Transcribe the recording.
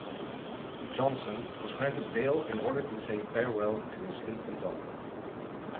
Johnson was granted bail in order to say farewell to his infant daughter.